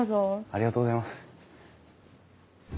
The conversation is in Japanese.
ありがとうございます。